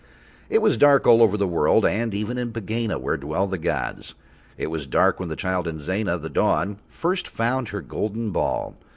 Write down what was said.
It was dark all over the world and even in Pegāna, where dwell the gods, it was dark when the child Inzana, the Dawn, first found her golden ball.